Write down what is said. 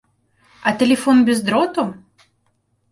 А тэлефон без дроту?